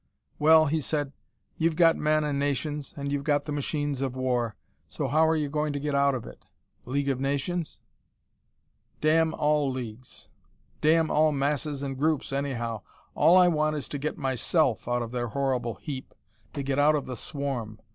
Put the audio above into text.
"Well," he said, "you've got men and nations, and you've got the machines of war so how are you going to get out of it? League of Nations?" "Damn all leagues. Damn all masses and groups, anyhow. All I want is to get MYSELF out of their horrible heap: to get out of the swarm.